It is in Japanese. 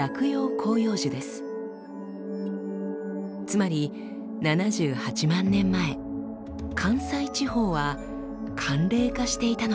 つまり７８万年前関西地方は寒冷化していたのです。